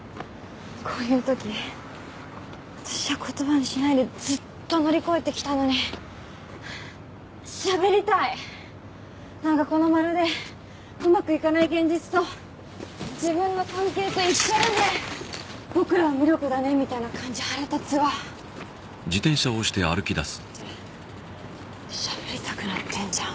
こういうとき私は言葉にしないでずっと乗り越えてきたのにしゃべりたいなんかこのまるでうまくいかない現実と自分の関係と一緒なんで僕らは無力だねみたいな感じ腹立つわってしゃべりたくなってんじゃん